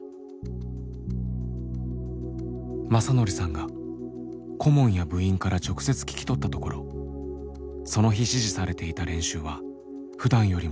正則さんが顧問や部員から直接聞き取ったところその日指示されていた練習はふだんよりも長い３時間。